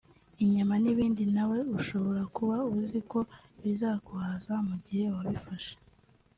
inyama n’ibindi nawe ushobora kuba uziko bikuzahaza mu gihe wabifashe